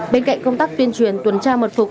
bên cạnh công tác tuyên truyền tuần tra mật phục